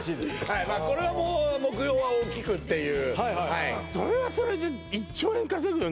はいこれはもう目標は大きくっていう